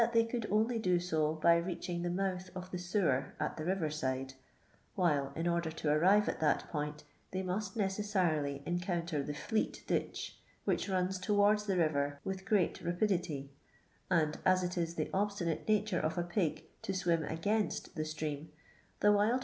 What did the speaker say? they could only do so by reaching the mouth of the sewer at the river side, while, in order to arrive at that point, they must necessarily encounter the Fleet ditch, wbi^ runs towaids the river with great rapidity, and as it is the obstinate nature of a pig to swim agaimt the siream, the wild